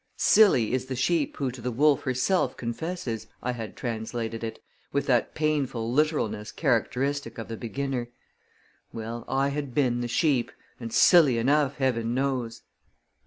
"Silly is the sheep who to the wolf herself confesses," I had translated it, with that painful literalness characteristic of the beginner. Well, I had been the sheep, and silly enough, Heaven knows!